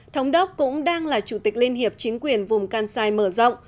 thống đốc cũng đang là chủ tịch liên hiệp chính quyền vùng kansai mở rộng